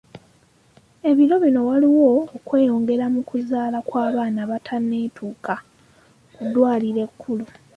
Ebiro bino waliwo okweyongera mu kuzaala kw'abaana abatanneetuuka ku ddwaaliro ekkulu.